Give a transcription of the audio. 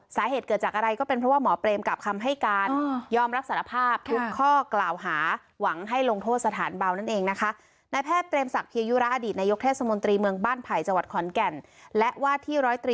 สาเหตุเกิดจากอะไรก็เป็นเพราะว่าหมอเปรมกลับคำให้การ